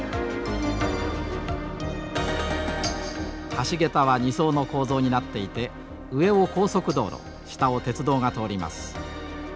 橋桁は２層の構造になっていて上を高速道路下を鉄道が通ります。